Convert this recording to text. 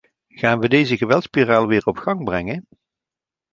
Gaan we deze geweldsspiraal weer op gang brengen?